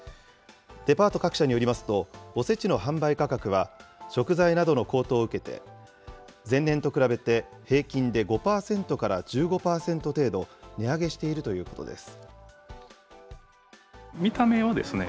デパート各社によりますと、おせちの販売価格は、食材などの高騰を受けて、前年と比べて平均で５％から１５％程度値上げしているということです。